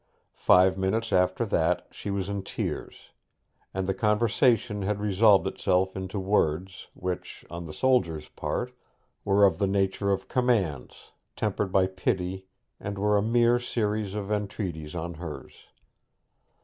Five minutes after that she was in tears, and the conversation had resolved itself into words, which, on the soldier's part, were of the nature of commands, tempered by pity, and were a mere series of entreaties on hers.